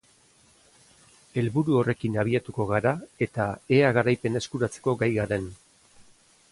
Helburu horrekin abiatuko gara eta ea garaipena eskuratzeko gai garen.